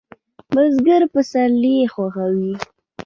بزګر پسرلی خوښوي